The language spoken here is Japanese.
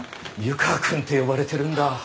湯川君って呼ばれてるんだ。